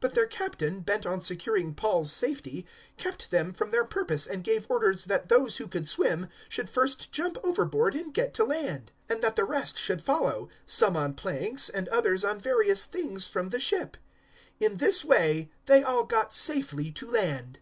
027:043 But their Captain, bent on securing Paul's safety, kept them from their purpose and gave orders that those who could swim should first jump overboard and get to land; 027:044 and that the rest should follow, some on planks, and others on various things from the ship. In this way they all got safely to land.